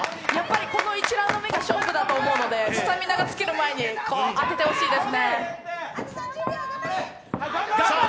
この１ラウンド目が勝負だと思うのでスタミナが尽きる前に当ててほしいですね。